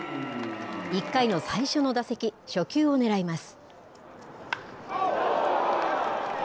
１回の最初の打席、初球を狙います。